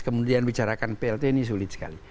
kemudian bicarakan plt ini sulit sekali